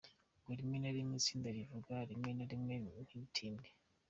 Ngo rimwe na rimwe itinda kuvuga, rimwe na rimwe ntitinde.